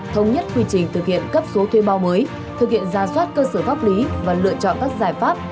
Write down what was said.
thống nhất quy trình thực hiện cấp số thuê bao mới thực hiện ra soát cơ sở pháp lý và lựa chọn các giải pháp